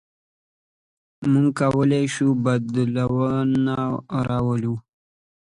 موږ کولی شو بدلون راولو.